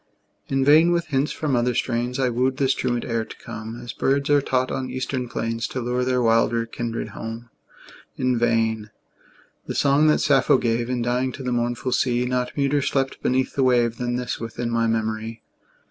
In vain with hints from other strains I wooed this truant air to come As birds are taught on eastern plains To lure their wilder kindred home. In vain: the song that Sappho gave, In dying, to the mournful sea, Not muter slept beneath the wave Than this within my memory.